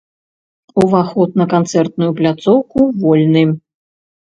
Уваход на канцэртную пляцоўку вольны.